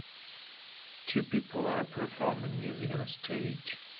Two people are performing music on stage.